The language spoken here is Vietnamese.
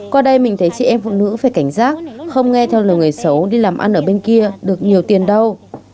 qua đây mình thấy chị em phụ nữ phải cảnh giác không nghe theo lời người xấu đi làm ăn ở bên kia được nhiều tiền đâu